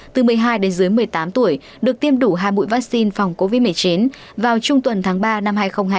từ một mươi hai đến dưới một mươi tám tuổi được tiêm đủ hai bụi vaccine phòng covid một mươi chín vào trung tuần tháng ba năm hai nghìn hai mươi